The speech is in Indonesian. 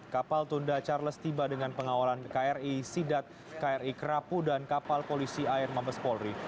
kapal tunda charles tiba dengan pengawalan kri sidat kri kerapu dan kapal polisi air mabes polri